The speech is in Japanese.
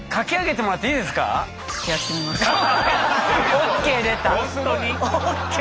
ＯＫでた。